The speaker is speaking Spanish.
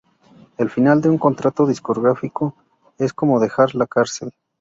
El final de un contrato discográfico es como dejar la carcel